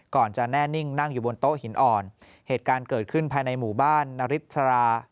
ก่อนจะแน่นิ่งนั่งอยู่บนโต๊ะหินอ่อนเหตุการณ์เกิดขึ้นภายในหมู่บ้านนาริสรา